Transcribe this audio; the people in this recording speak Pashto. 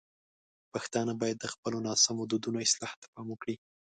پښتانه باید د خپلو ناسم دودونو اصلاح ته پام وکړي.